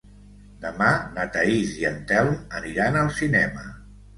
Demà na Thaís i en Telm aniran al cinema.